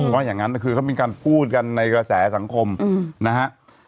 ว่าอย่างนั้นคือเขามีการพูดกันในกระแสสังคมนะฮะ